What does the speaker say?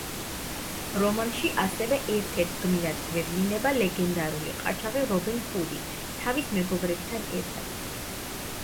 რომანში ასევე, ერთ-ერთ გმირად გვევლინება ლეგენდარული ყაჩაღი რობინ ჰუდი, თავის მეგობრებთან ერთად.